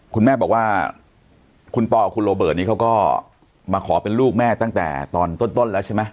คุณแม่บอกว่าคุณปอกับคุณโรเบิร์ตนี้เขาก็มาขอเป็นลูกแม่ตั้งแต่ตอนต้นแล้วใช่ไหม